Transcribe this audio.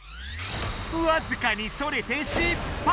わずかにそれて失敗！